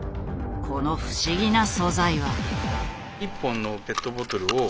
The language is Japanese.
この不思議な素材は。